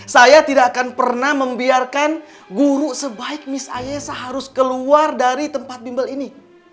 saya tidak akan pernah membiarkan guru sebaik mis ayah saya harus keluar dari tempat bimbel ini